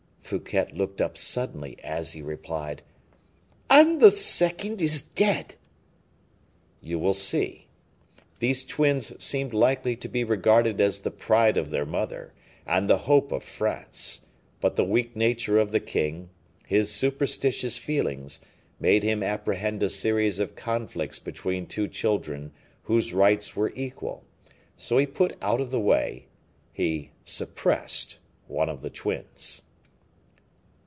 Fouquet looked up suddenly as he replied: "And the second is dead?" "You will see. These twins seemed likely to be regarded as the pride of their mother, and the hope of France; but the weak nature of the king, his superstitious feelings, made him apprehend a series of conflicts between two children whose rights were equal; so he put out of the way he suppressed one of the twins."